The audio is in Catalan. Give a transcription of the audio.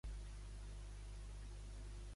Quina actitud espera d'una nova política d'esquerres?